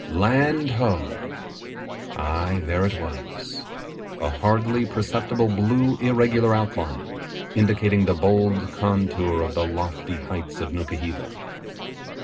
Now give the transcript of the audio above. Land ho! Aye, there it was. A hardly perceptible blue irregular outline, indicating the bold contour of the lofty heights of Nukuheva.